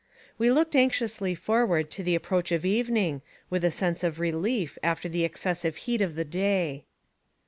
We looked anxiously forward to the approach of evening, with a sense of relief, after the excessive heat of the day.